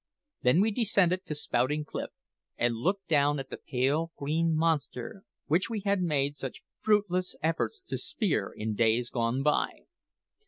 Then we descended to Spouting Cliff, and looked down at the pale green monster which we had made such fruitless efforts to spear in days gone by.